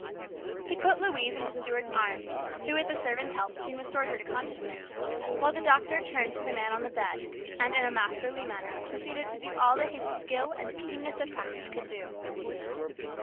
He put Louise into Stuart's arms, who with the servant's help soon restored her to consciousness, while the doctor turned to the man on the bed, and in a masterly manner proceeded to do all that his skill and keenness of practice could do.